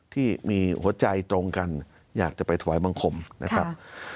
ที่มีหัวใจตรงกันอยากจะไปถวายบังคมนะครับ